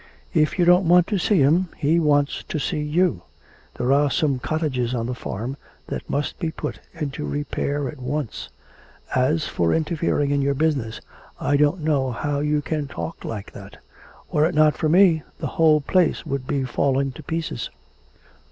'If you don't want to see him, he wants to see you. There are some cottages on the farm that must be put into repair at once. As for interfering in your business, I don't know how you can talk like that; were it not for me the whole place would be falling to pieces.'